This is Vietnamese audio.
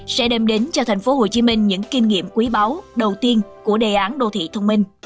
sẽ đem đến cho tp hcm những kinh nghiệm quý báu đầu tiên của đề án đô thị thông minh